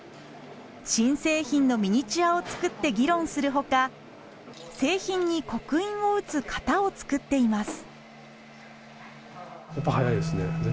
新製品のミニチュアを作って議論するほか製品に刻印を打つ型を作っています。